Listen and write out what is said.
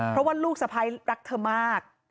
เพราะว่าลูกสะพ้ายรักเธอมาก